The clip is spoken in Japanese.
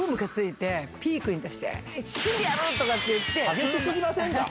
激し過ぎませんか？